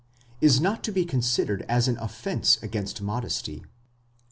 is not to be considered as an offence against modesty.!